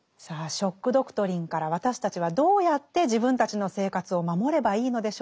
「ショック・ドクトリン」から私たちはどうやって自分たちの生活を守ればいいのでしょうか。